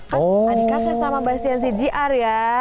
kan adik adiknya sama bastian si jr ya